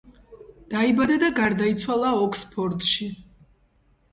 დაიბადა და გარდაიცვალა ოქსფორდში.